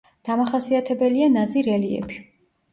დამახასიათებელია ნაზი რელიეფი.